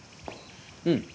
うん。